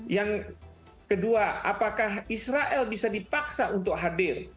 yang kedua apakah israel bisa dipaksa untuk hadir